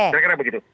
jadi kenapa begitu